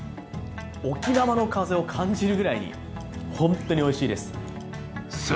沖縄の風を感じるぐらいに、本当においしいです。